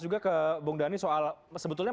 juga ke bung dhani soal sebetulnya